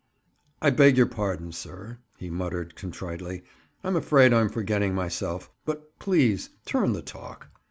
"I beg your pardon, sir," he muttered contritely. "I'm afraid I am forgetting myself. But please turn the talk."